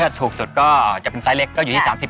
ถ้าถูกสุดก็จะเป็นไซสเล็กก็อยู่ที่๓๐